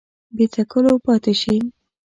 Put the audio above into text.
بې څکلو پاته شي